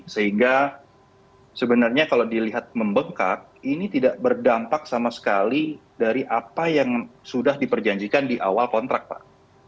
sehingga sebenarnya kalau dilihat membengkak ini tidak berdampak sama sekali dari apa yang sudah diperjanjikan di awal kontrak pak